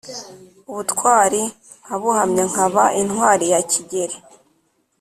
Ubutwali nkabuhamya nkaba intwali ya Kigeli